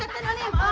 もう！